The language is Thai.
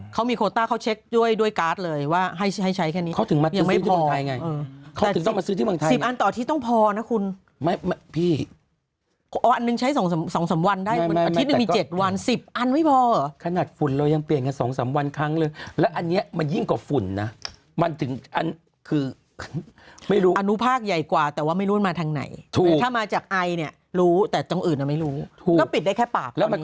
เขามีโควต้าเขาเช็คด้วยด้วยการ์ดเลยว่าให้ใช้แค่นี้อย่างไม่พอนะคะเออเขาถึงต้องมาซื้อที่เมืองไทยอย่างงี้เออแต่สิบตอนต่ออาทิตย์ต้องพอนะคุณไม่พี่อันหนึ่งใช้สองศ